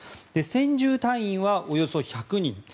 専従隊員はおよそ１００人。